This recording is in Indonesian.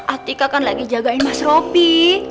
atika kan lagi jagain mas ropi